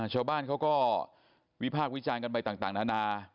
ชาวบ้านเขาก็วิพากษ์วิจารณ์กันไปต่างนานา